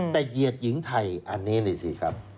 แต่เหยียดหญิงไทยอันนี้นี่สิครับ